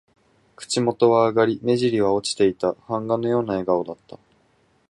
口元は上がり、目じりは落ちていた。版画のような笑顔だった。